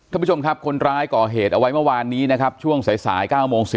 คุณผู้ชมครับคนร้ายก่อเหตุเอาไว้เมื่อวานนี้นะครับช่วงสายสายเก้าโมง